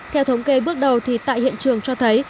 theo thống kê bước đầu thì tại hiện trường cho thấy